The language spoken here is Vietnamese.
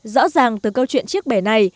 rõ ràng từ câu chuyện chiếc bể này